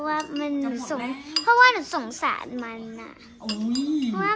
ไม่ไม่ถึงว่าแอมาทางนี้หนาว